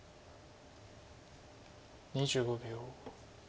２５秒。